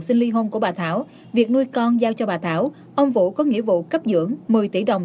xin ly hôn của bà thảo việc nuôi con giao cho bà thảo ông vũ có nghĩa vụ cấp dưỡng một mươi tỷ đồng